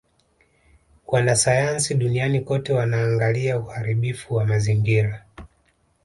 Wanasayansi duniani kote wanaangalia uharibifu wa mazingira